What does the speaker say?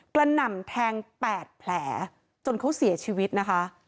หน่ำแทง๘แผลจนเขาเสียชีวิตนะคะ